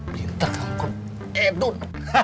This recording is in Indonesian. pintar kangkut edun